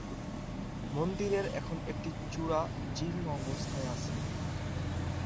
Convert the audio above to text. মন্দিরের এখন একটি চূড়া জীর্ণ অবস্থায় আছে।